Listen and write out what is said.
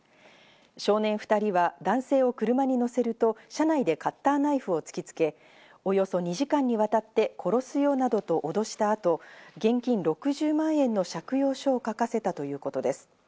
少年２人は男性を車に乗せると車内でカッターナイフを突きつけ、およそ２時間にわたって殺すよなどとおどしたあと、現金６０万円の借用書を書かせたということです。